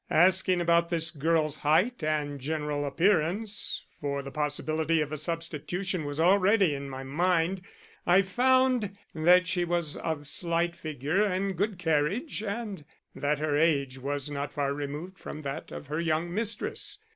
Asking about this girl's height and general appearance (for the possibility of a substitution was already in my mind), I found that she was of slight figure and good carriage, and that her age was not far removed from that of her young mistress.